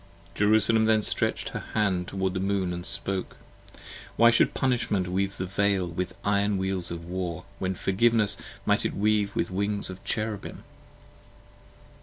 Jerusalem then stretch'd her hand toward the Moon & spoke. Why should Punishment Weave the Veil with Iron Wheels of War, 35 When Forgiveness might it Weave with Wings of Cherubim?